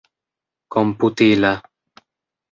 komputila